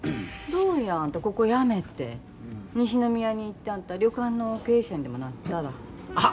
どうやあんたここやめて西宮に行って旅館の経営者にでもなったら。